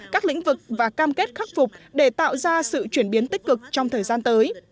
các lĩnh vực và cam kết khắc phục để tạo ra sự chuyển biến tích cực trong thời gian tới